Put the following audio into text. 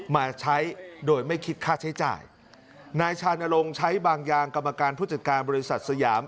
มาใช้โดยไม่คิดค่าใช้จ่ายนายชานรงค์ใช้บางยางกรรมการผู้จัดการบริษัทสยาม